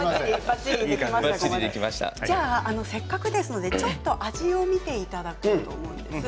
じゃあ、せっかくですのでちょっと味を見ていただこうと思うんです。